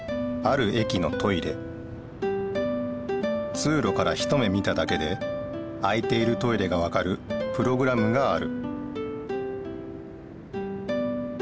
つうろから一目見ただけで空いているトイレがわかるプログラムがある。